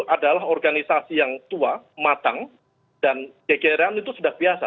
adalah organisasi yang tua matang dan gegeran itu sudah biasa